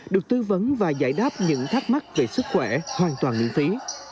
được tư vấn và giải đáp những thắc mắc về sức khỏe hoàn toàn miễn phí